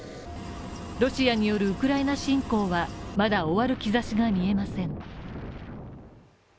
ロシアによるウクライナ侵攻はまだ終わる兆しが見えません。